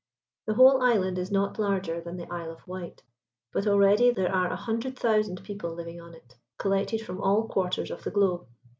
The whole island is not larger than the Isle of Wight, but already there are a hundred thousand people living on it, collected from all quarters of the globe.